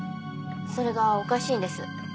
それがおかしいんです。